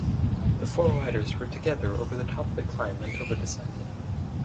The four riders were together over the top of the climb until the descent.